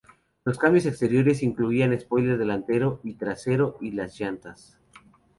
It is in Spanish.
Los cambios exteriores incluían spoiler delantero y trasero y las llantas.